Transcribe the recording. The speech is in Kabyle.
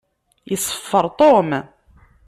Iṣeffer Tom.